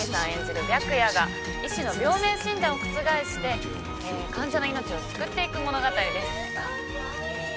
演じる白夜が医師の病名診断を覆して、患者の命を救っていく物語です。